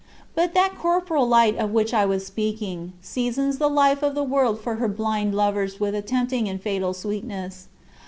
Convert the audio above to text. But that corporeal light, of which I was speaking, seasons the life of the world for her blind lovers with a tempting and fatal sweetness.